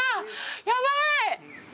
ヤバい！